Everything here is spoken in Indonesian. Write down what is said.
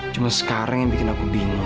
cuma sekarang yang bikin aku bingung